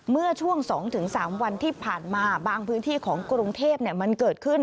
เมื่อช่วงสองถึงสามวันที่ผ่านมาบางพื้นที่ของกรุงเทพเนี่ยมันเกิดขึ้น